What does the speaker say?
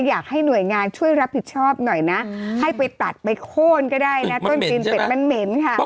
อยากให้หน่วยงานช่วยรับผิดชอบหน่อยนะให้ไปตัดไปโค้นก็ได้นะ